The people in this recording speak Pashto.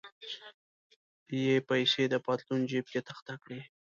یې پیسې د پتلون جیب کې تخته کړې.